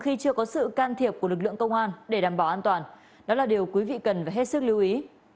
khi chưa có sự can thiệp của lực lượng công an để đảm bảo an toàn đó là điều quý vị cần phải hết sức lưu ý